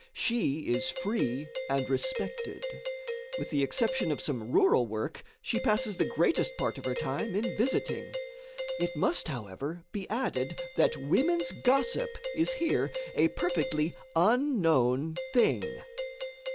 She is free and respected. With the exception of some rural work, she passes the greatest part of her time in visiting. It must, however, be added that women's gossip is here a perfectly unknown thing.